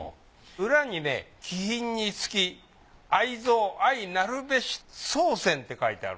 裏にね「稀品に付き愛蔵相成るべし宗泉」って書いてある。